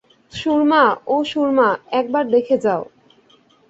সুরমা, ও সুরমা, একবার দেখে যাও।